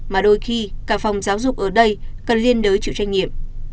mà đôi khi cả phòng giáo dục ở đây cần liên đối chịu trách nhiệm